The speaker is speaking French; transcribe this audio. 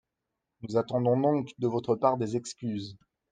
Nous attendons donc de votre part des excuses.